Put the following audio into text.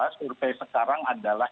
survei sekarang adalah